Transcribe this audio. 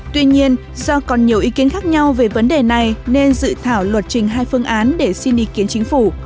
tuy nhiên do còn nhiều ý kiến khác nhau về vấn đề này nên dự thảo luật trình hai phương án để xin ý kiến chính phủ